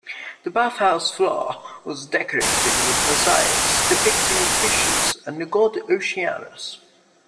The bath house floor was decorated with mosaics depicting fishes and the god Oceanus.